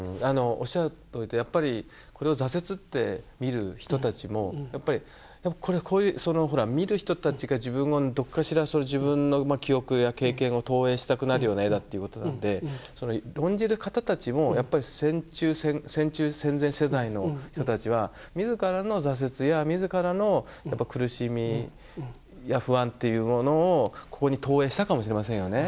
おっしゃるとおりでやっぱりこれを挫折って見る人たちもやっぱりこれほら見る人たちが自分をどっかしら自分の記憶や経験を投影したくなるような絵だっていうことなんで論じる方たちもやっぱり戦中戦前世代の人たちは自らの挫折や自らの苦しみや不安っていうものをここに投影したかもしれませんよね。